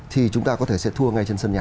thì chúng ta có thể sẽ thua ngay trên sân nhà